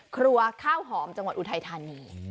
ครัวข้าวหอมจังหวัดอุทัยธานี